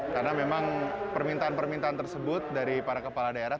terima kasih terima kasih